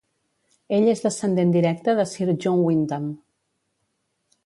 Ell és descendent directe de Sir John Wyndham.